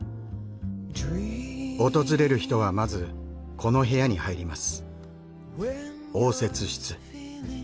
訪れる人はまずこの部屋に入ります。